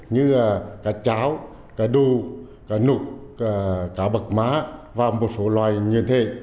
như cá cháo cá đu cá nục cá bậc má và một số loài như thế